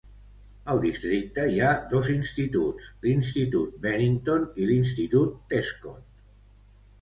Al districte hi ha dos instituts: l'institut Bennington i l'institut Tescott.